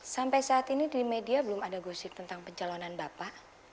sampai saat ini di media belum ada gosip tentang pencalonan bapak